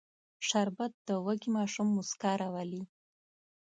شربت د وږي ماشوم موسکا راولي